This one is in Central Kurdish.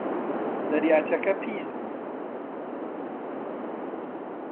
دەریاچەکە پیس بووە.